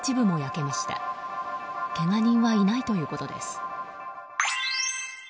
けが人はいないということです。